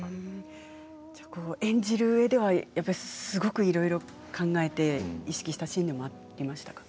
演じるうえではすごくいろいろ考えて意識したシーンでもありましたか？